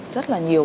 rất là nhiều